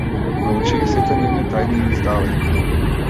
Научи ги сите нивни тајни и издавај ги.